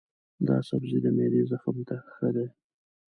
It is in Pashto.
دا سبزی د معدې زخم ته ښه دی.